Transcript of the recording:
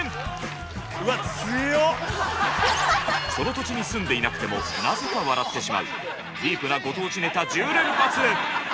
その土地に住んでいなくてもなぜか笑ってしまうディープなご当地ネタ１０連発！